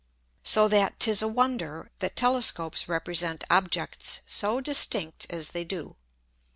So that 'tis a wonder, that Telescopes represent Objects so distinct as they do.